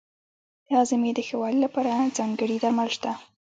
د هاضمې د ښه والي لپاره ځانګړي درمل شته.